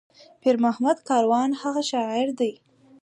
پير محمد کاروان هغه شاعر دى